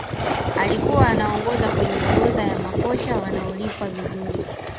alikuwa anaongoza kwenye orodha ya makocha wanaolipwa vizuri